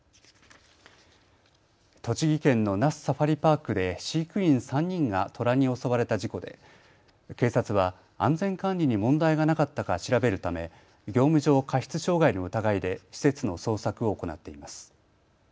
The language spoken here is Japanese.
栃木県の那須サファリパークで飼育員３人がトラに襲われた事故で警察は安全管理に問題がなかったか調べるため業務上過失傷害の疑いで施設の捜索を行っています。